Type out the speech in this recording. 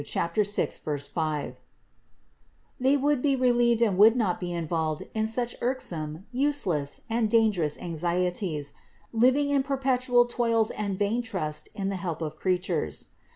6, 5), they would be relieved and would not be involved in such irksome, useless and dangerous anxieties, living in perpetual toils and vain trust in the help of creatures.